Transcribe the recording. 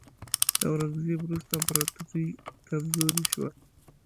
د اورنګزیب وروسته امپراتوري کمزورې شوه.